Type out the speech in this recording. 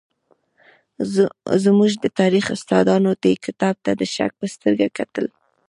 زموږ د تاریخ استادانو دې کتاب ته د شک په سترګه کتل.